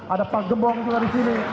ada pak gembong juga di sini